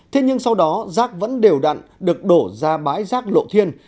thế nhưng sau đó rác vẫn đều đặn được đổ ra bãi rác lộ thiên